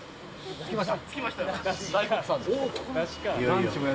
着きました！